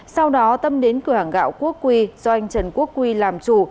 sau đó tâm đến cửa hàng gạo quốc quy do anh trần quốc quy làm chủ